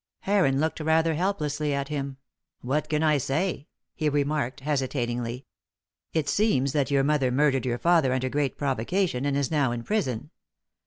Heron looked rather helplessly at him. "What can I say?" he remarked, hesitatingly. "It seems that your mother murdered your father under great provocation, and is now in prison.